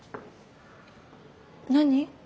何？